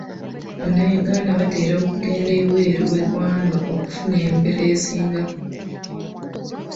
Bannayuganda batera okugenda ebweru w'eggwanga okufuna embeera esingako.